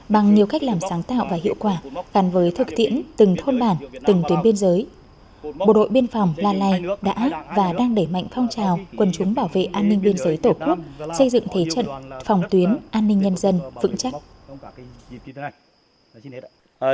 bằng nhiều cách làm sáng tạo và hiệu quả gắn với thực tiễn từng thôn bản từng tuyến biên giới bộ đội biên phòng la lai đã và đang đẩy mạnh phong trào quân chúng bảo vệ an ninh biên giới tổ quốc xây dựng thế trận phòng tuyến an ninh nhân dân vững chắc